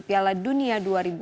piala dunia dua ribu dua puluh